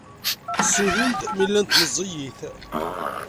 Ssullint mi llant meẓẓiyit.